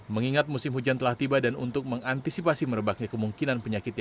mengingat musim hujan telah tiba dan untuk mengantisipasi merebaknya kemungkinan penyakitnya